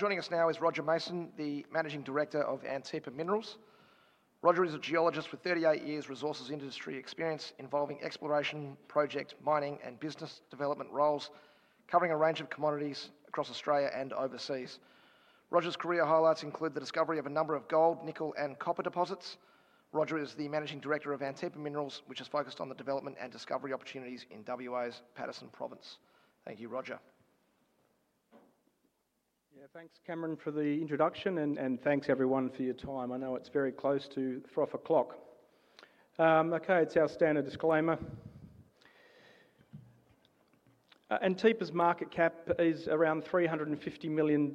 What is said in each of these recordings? Joining us now is Roger Mason, the Managing Director of Antipa Minerals. Roger is a geologist with 38 years' resources industry experience involving exploration, project mining, and business development roles, covering a range of commodities across Australia and overseas. Roger's career highlights include the discovery of a number of gold, nickel, and copper deposits. Roger is the Managing Director of Antipa Minerals, which is focused on the development and discovery opportunities in WA's Paterson Province. Thank you, Roger. Yeah, thanks, Cameron, for the introduction, and thanks, everyone, for your time. I know it's very close to 12 o'clock, it's our standard disclaimer. Antipa's market cap is around $350 million,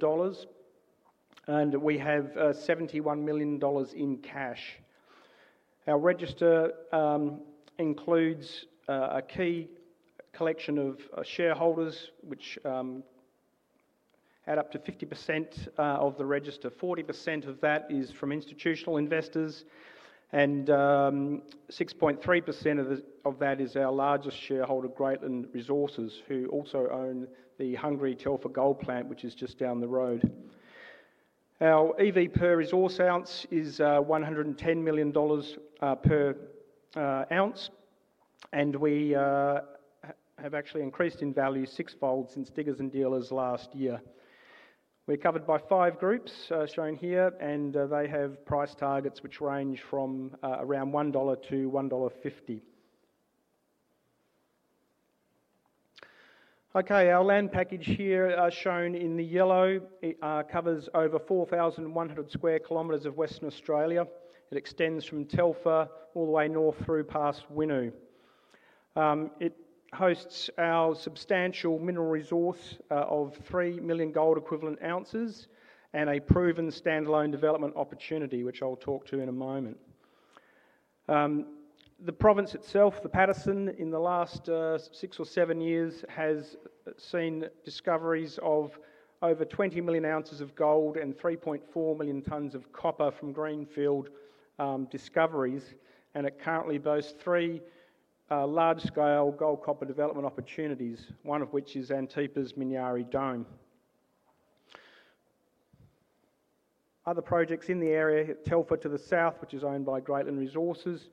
and we have $71 million in cash. Our register includes a key collection of shareholders, which add up to 50% of the register. 40% of that is from institutional investors, and 6.3% of that is our largest shareholder, Greatland Resources, who also own the nearby Telfer Gold Plant, which is just down the road. Our EV per resource ounce is $110 per ounce, and we have actually increased in value sixfold since Diggers and Dealers last year. We're covered by five groups shown here, and they have price targets which range from around $1-$1.50. OK, our land package here shown in the yellow covers over 4,100 sq km of Western Australia. It extends from Telfer all the way north through past Winu. It hosts our substantial mineral resource of 3 million gold equivalent ounces and a proven standalone development opportunity, which I'll talk to in a moment. The province itself, the Paterson Province, in the last six or seven years has seen discoveries of over 20 million oz of gold and 3.4 million tons of copper from greenfield discoveries, and it currently boasts three large-scale gold-copper development opportunities, one of which is Antipa's Minyari Dome. Other projects in the area are Telfer to the south, which is owned by Greatland Resources,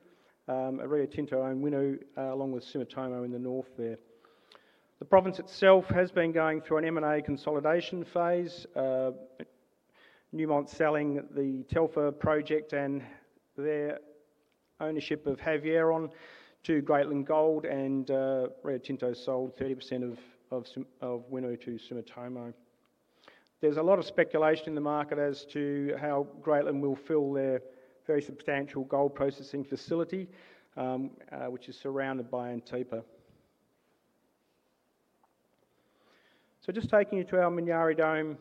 Rio Tinto owned Winu, along with Sumitomo in the north there. The province itself has been going through an M&A consolidation phase, Newmont selling the Telfer project and their ownership of Havieron on to Greatland Resources, and Rio Tinto sold 30% of Winu to Sumitomo. There's a lot of speculation in the market as to how Greatland will fill their very substantial gold processing facility, which is surrounded by Antipa. Just taking you to our Minyari Dome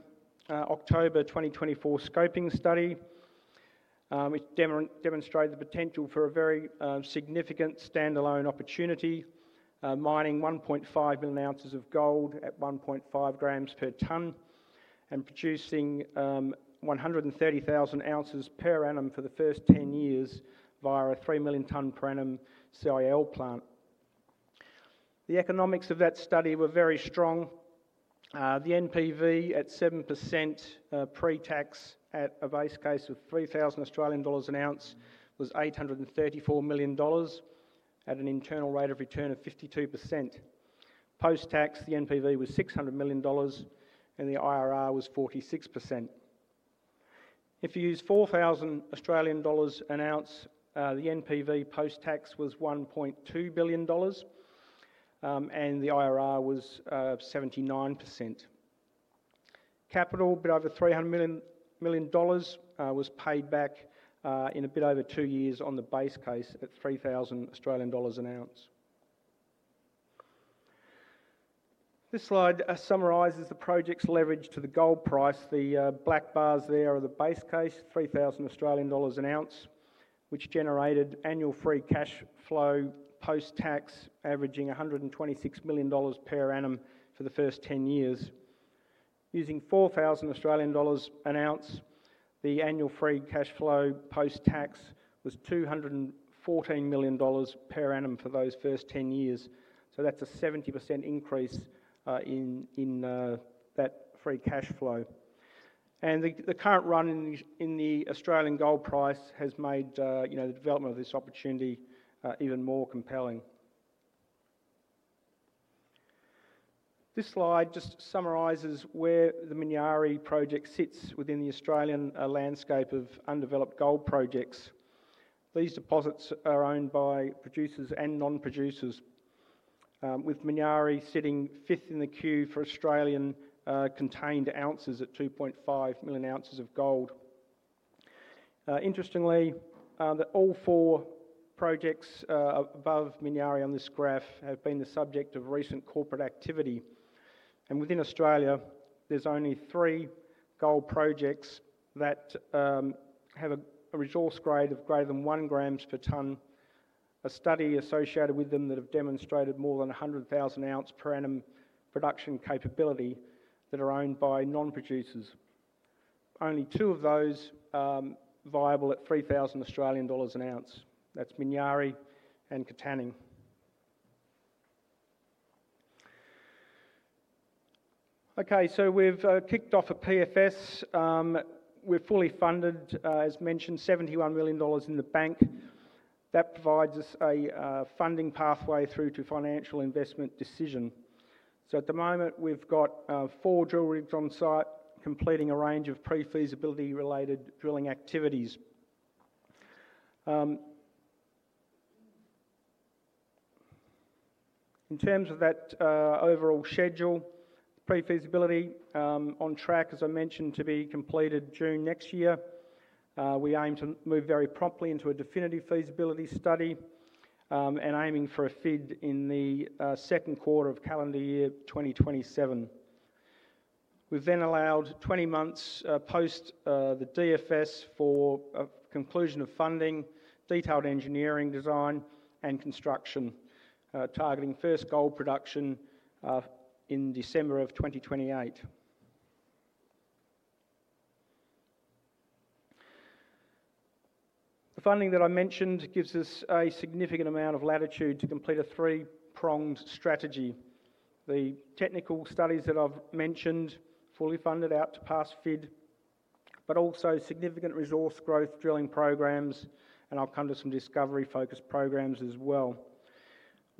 October 2024 scoping study, it demonstrated the potential for a very significant standalone opportunity, mining 1.5 million oz of gold at 1.5 g/ton and producing 130,000 oz per annum for the first 10 years via a 3 million ton per annum CIL plant. The economics of that study were very strong. The NPV at 7% pre-tax at a base case of 3,000 Australian dollars/oz was $834 million at an internal rate of return of 52%. Post-tax, the NPV was $600 million and the IRR was 46%. If you use 4,000 Australian dollars an ounce, the NPV post-tax was $1.2 billion and the IRR was 79%. Capital a bit over $300 million was paid back in a bit over two years on the base case at 3,000 Australian dollars an ounce. This slide summarizes the project's leverage to the gold price. The black bars there are the base case, 3,000 Australian dollars an ounce, which generated annual free cash flow post-tax, averaging $126 million per annum for the first 10 years. Using 4,000 Australian dollars an ounce, the annual free cash flow post-tax was $214 million per annum for those first 10 years. That's a 70% increase in that free cash flow. The current run in the Australian gold price has made the development of this opportunity even more compelling. This slide just summarizes where the Minyari project sits within the Australian landscape of undeveloped gold projects. These deposits are owned by producers and non-producers, with Minyari sitting fifth in the queue for Australian contained ounces at 2.5 million oz of gold. Interestingly, all four projects above Minyari on this graph have been the subject of recent corporate activity. Within Australia, there's only three gold projects that have a resource grade of greater than 1 g/ton. A study associated with them that have demonstrated more than 100,000 ounce per annum production capability that are owned by non-producers. Only two of those are viable at 3,000 Australian dollars an ounce. That's Minyari and Catani. OK, we've kicked off a PFS. We're fully funded, as mentioned, $71 million in the bank. That provides us a funding pathway through to final investment decision. At the moment, we've got four drill rigs on site completing a range of pre-feasibility-related drilling activities. In terms of that overall schedule, pre-feasibility on track, as I mentioned, to be completed June next year. We aim to move very promptly into a definitive feasibility study and aiming for a FID in the second quarter of calendar year 2027. We've then allowed 20 months post the DFS for conclusion of funding, detailed engineering design, and construction, targeting first gold production in December of 2028. The funding that I mentioned gives us a significant amount of latitude to complete a three-pronged strategy. The technical studies that I've mentioned are fully funded out to past final investment decision, but also significant resource growth drilling programs, and I'll come to some discovery-focused programs as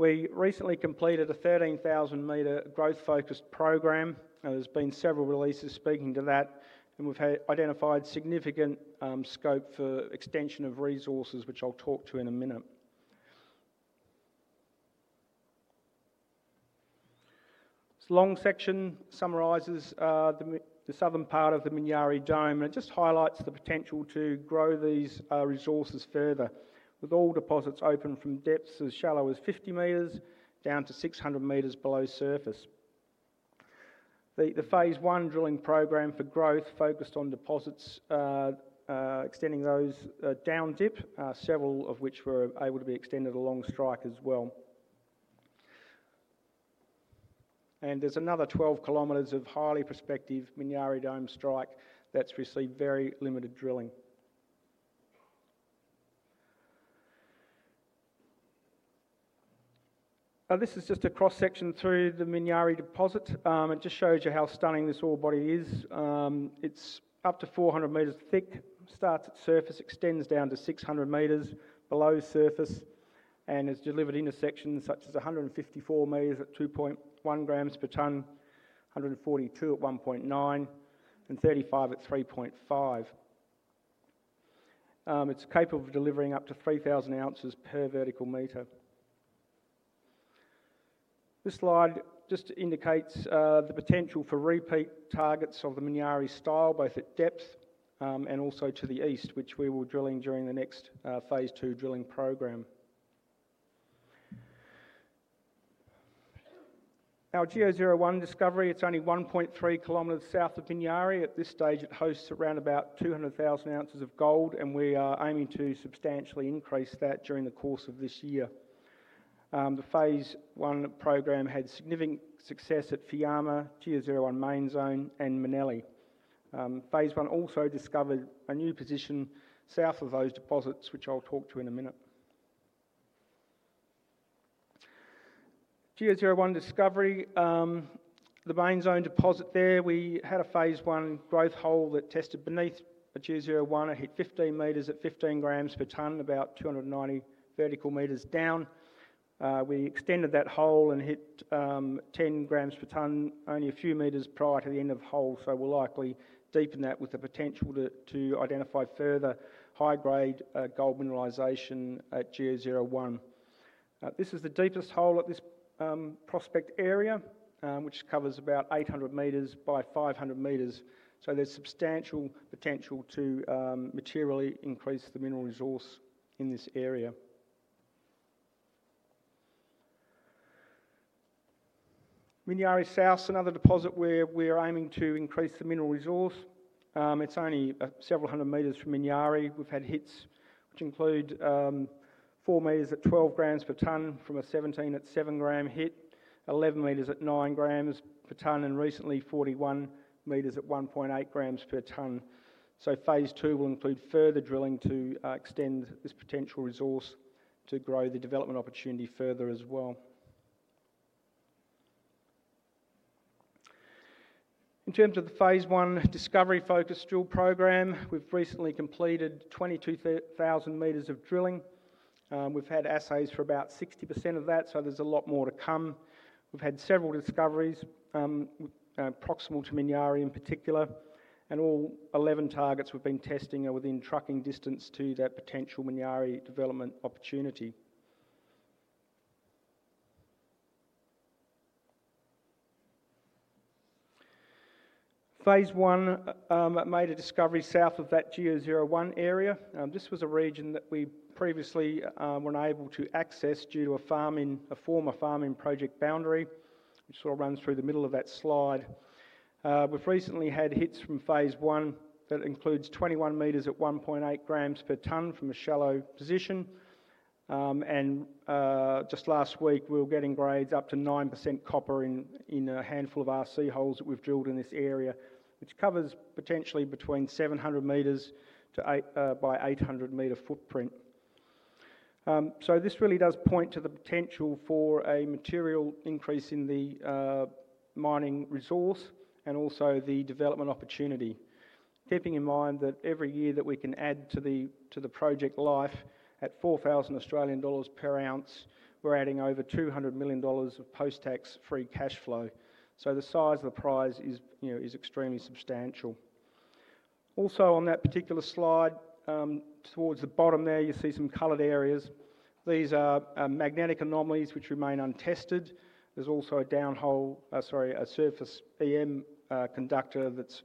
well. We recently completed a 13,000 m growth-focused program. There's been several releases speaking to that, and we've identified significant scope for extension of resources, which I'll talk to in a minute. This long section summarizes the southern part of the Minyari Dome, and it just highlights the potential to grow these resources further, with all deposits open from depths as shallow as 50 m down to 600 m below surface. The phase one drilling program for growth focused on deposits, extending those down dip, several of which were able to be extended along strike as well. There's another 12 km of highly prospective Minyari Dome strike that's received very limited drilling. This is just a cross-section through the Minyari deposit. It just shows you how stunning this ore body is. It's up to 400 m thick, starts at surface, extends down to 600 m below surface, and is delivered into sections such as 154 m at 2.1 g/ton, 142 at 1.9, and 35 at 3.5. It's capable of delivering up to 3,000 oz per vertical meter. This slide just indicates the potential for repeat targets of the Minyari style, both at depth and also to the east, which we will drill in during the next phase II drilling program. Our GEO-01 discovery, it's only 1.3 km south of Minyari. At this stage, it hosts around about 200,000 oz of gold, and we are aiming to substantially increase that during the course of this year. The phase I program had significant success at Fiama, GEO-01 main zone, and Maneli. Phase I also discovered a new position south of those deposits, which I'll talk to in a minute. GEO-01 discovery, the main zone deposit there, we had a phase I growth hole that tested beneath GEO-01. It hit 15 m at 15 g/ton, about 290 vertical meters down. We extended that hole and hit 10 g/ton only a few meters prior to the end of the hole. We'll likely deepen that with the potential to identify further high-grade gold mineralization at GEO-01. This is the deepest hole at this prospect area, which covers about 800 m by 500 m. There's substantial potential to materially increase the mineral resource in this area. Minyari South is another deposit where we are aiming to increase the mineral resource. It's only several hundred meters from Minyari. We've had hits which include 4 m at 12 g/ton, from a 17 at 7 g hit, 11 meters at 9 g/ton, and recently 41 m at 1.8 g/ton. Phase II will include further drilling to extend this potential resource to grow the development opportunity further as well. In terms of the phase one discovery-focused drill program, we've recently completed 22,000 m of drilling. We've had assays for about 60% of that, so there's a lot more to come. We've had several discoveries proximal to Minyari in particular, and all 11 targets we've been testing are within trucking distance to that potential Minyari development opportunity. Phase I made a discovery south of that GEO-01 area. This was a region that we previously were unable to access due to a former farming project boundary, which sort of runs through the middle of that slide. We've recently had hits from phase I that includes 21 m at 1.8 g/ton from a shallow position. Just last week, we were getting grades up to 9% copper in a handful of our sea holes that we've drilled in this area, which covers potentially between 700 m by 800 m footprint. This really does point to the potential for a material increase in the mining resource and also the development opportunity, keeping in mind that every year that we can add to the project life at 3,000 Australian dollars/oz, we're adding over $200 million of post-tax free cash flow. The size of the prize is extremely substantial. Also, on that particular slide, towards the bottom there, you see some colored areas. These are magnetic anomalies which remain untested. There's also a downhole, sorry, a surface EM conductor that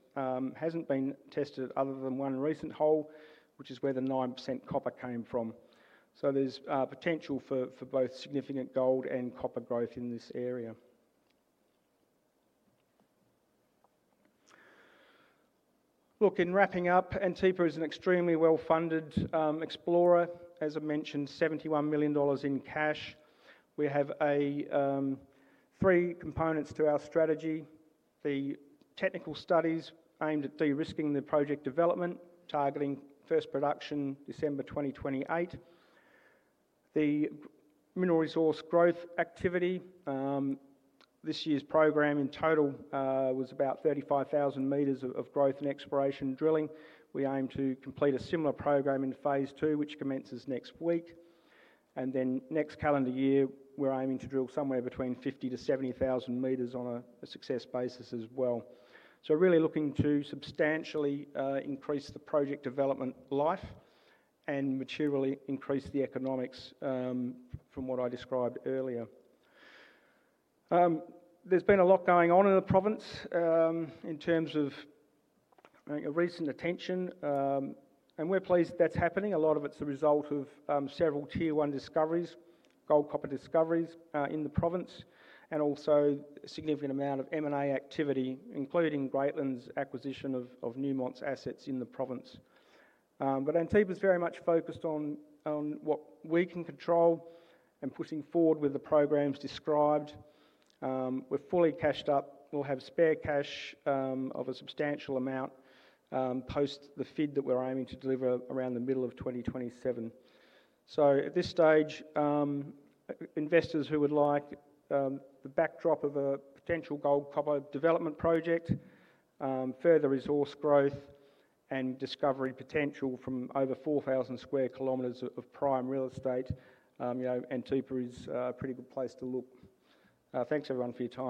hasn't been tested other than one recent hole, which is where the 9% copper came from. There's potential for both significant gold and copper growth in this area. In wrapping up, Antipa is an extremely well-funded explorer. As I mentioned, $71 million in cash. We have three components to our strategy. The technical studies aimed at de-risking the project development, targeting first production December 2028. The mineral resource growth activity, this year's program in total, was about 35,000 m of growth and exploration drilling. We aim to complete a similar program in phase II, which commences next week. Next calendar year, we're aiming to drill somewhere between 50,000 m-70,000 m on a success basis as well. We're really looking to substantially increase the project development life and materially increase the economics from what I described earlier. There's been a lot going on in the province in terms of recent attention, and we're pleased that's happening. A lot of it's a result of several Tier 1 discoveries, gold-copper discoveries in the province, and also a significant amount of M&A activity, including Greatland's acquisition of Newmont's assets in the province. Antipa is very much focused on what we can control and pushing forward with the programs described. We're fully cashed up. We'll have spare cash of a substantial amount post the final investment decision that we're aiming to deliver around the middle of 2027. At this stage, investors who would like the backdrop of a potential gold-copper development project, further resource growth, and discovery potential from over 4,000 sq km of prime real estate, Antipa is a pretty good place to look. Thanks, everyone, for your time.